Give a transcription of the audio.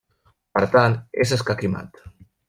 Per tant, és escac i mat.